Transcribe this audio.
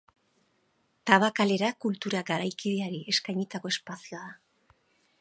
Tabakalera kultura garaikideari eskainitako espazioa da.